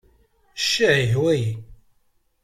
Ccah, yehwa-yi!